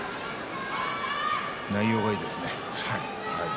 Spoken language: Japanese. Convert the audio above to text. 内容がいいですね。